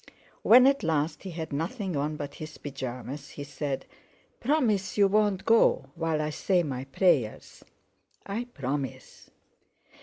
When at last he had nothing on but his pyjamas, he said: "Promise you won't go while I say my prayers!" "I promise."